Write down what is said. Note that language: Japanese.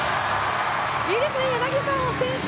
いいですね、柳澤選手。